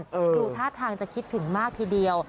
ดูท่าทางจะคิดถึงมากทีเดียว